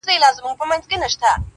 چي هر چا ورته کتل ورته حیران وه٫